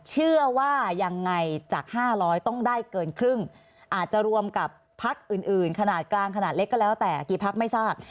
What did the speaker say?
เชื่อว่ายังไงจาก๕๐๐ต้องได้เกินครึ่งอาจจะรวมกับพักอื่นขนาดกลางขนาดเล็กก็แล้วแต่กี่พักไม่ทราบ